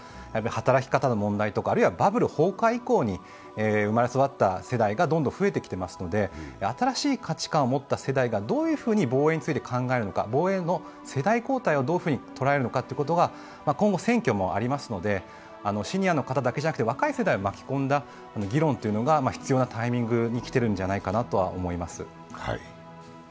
働き方の問題とかバブル崩壊以降に生まれ育った世代がどんどん増えてきていますので新しい価値観を持った世代がどういうふうに防衛について考えるのか、防衛の世代交代をどういうふうに捉えるのかということが、今後、選挙もありますのでシニアの方だけではなくて、若い方を巻き込んだ議論が必要なタイミングに来ているんじゃないかと思います。